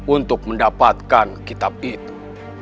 untuk mendapatkan kitab itu